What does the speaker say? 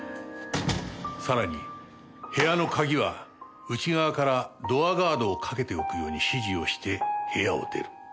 さらに部屋の鍵は内側からドアガードをかけておくように指示をして部屋を出る。